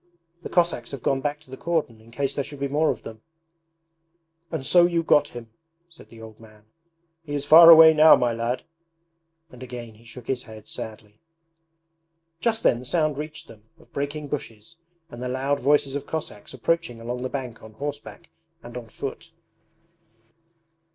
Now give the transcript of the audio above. The Cossacks have gone back to the cordon in case there should be any more of them.' 'And so you got him!' said the old man. 'He is far away now, my lad! ...' And again he shook his head sadly. Just then the sound reached them of breaking bushes and the loud voices of Cossacks approaching along the bank on horseback and on foot.